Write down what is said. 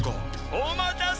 お待たせ。